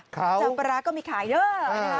เขาแจ่วปลาร้าก็ไม่ขายเลยค่ะ